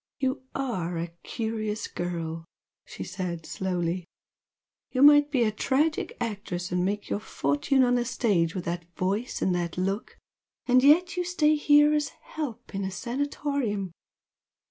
"You ARE a curious girl!" she said, slowly "You might be a tragic actress and make your fortune on the stage, with that voice and that look! And yet you stay here as 'help' in a Sanatorium!